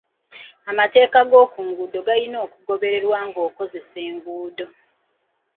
Amateeka g'oku nguudo galina okugobererwa ng'okozesa enguudo.